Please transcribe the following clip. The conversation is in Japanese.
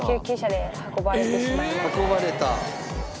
運ばれた。